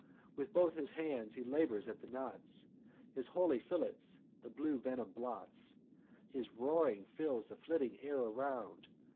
With both his hands he labours at the knots; His holy fillets the blue venom blots; His roaring fills the flitting air around.